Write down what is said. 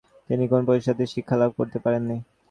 তিনি কোন প্রাতিষ্ঠানিক শিক্ষা লাভ করতে পারেননি।